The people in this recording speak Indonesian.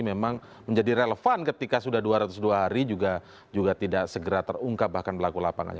memang menjadi relevan ketika sudah dua ratus dua hari juga tidak segera terungkap bahkan pelaku lapangannya